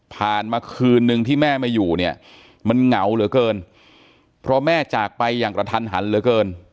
มาคืนนึงที่แม่ไม่อยู่เนี่ยมันเหงาเหลือเกินเพราะแม่จากไปอย่างกระทันหันเหลือเกิน